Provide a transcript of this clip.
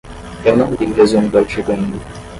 Eu não li o resumo do artigo ainda.